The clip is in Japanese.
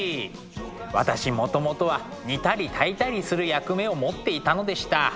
私もともとは煮たり炊いたりする役目を持っていたのでした。